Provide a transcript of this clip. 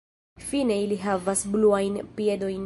Fine ili havas bluajn piedojn.